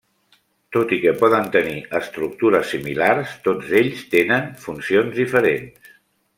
Tot i que poden tenir estructures similars, tots ells tenen funcions diferents.